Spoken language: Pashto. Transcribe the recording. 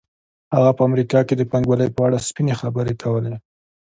هغه په امریکا کې د پانګوالۍ په اړه سپینې خبرې کولې